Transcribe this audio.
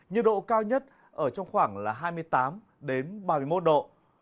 nhiệt độ cao nhất ở trong khoảng là hai mươi tám ba mươi một độ